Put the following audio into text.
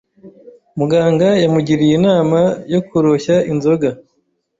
Muganga yamugiriye inama yo koroshya inzoga.